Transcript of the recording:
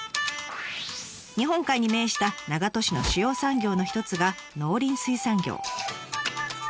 日本海に面した長門市の主要産業の一つが農林水産業。